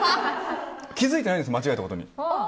気付いてないんです間違えたことに。